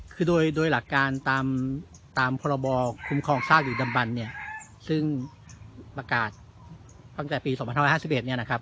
คือโดยหลักการตามพรบคุ้มครองซากอยู่ดำบันเนี่ยซึ่งประกาศตั้งแต่ปี๒๕๕๑เนี่ยนะครับ